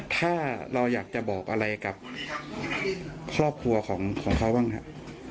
ถ้าเราอยากจะบอกอะไรกับครอบครัวของเขาบ้างครับ